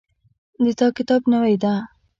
د تا کتاب نوی ده